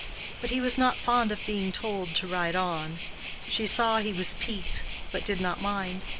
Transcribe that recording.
But he was not fond of being told to ride on. She saw he was piqued, but did not mind.